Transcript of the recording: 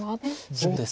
そうですね